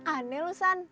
aneh lu san